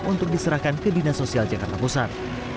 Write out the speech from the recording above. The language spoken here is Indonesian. untuk diserahkan ke dinas sosial jakarta pusat